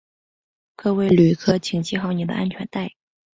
各位旅客请系好你的安全带